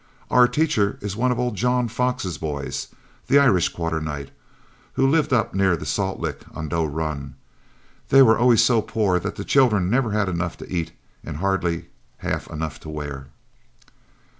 Our teacher is one of old John Fox's boys, the Irish Quarternights, who live up near the salt licks on Doe Run. They were always so poor that the children never had enough to eat and hardly half enough to wear.'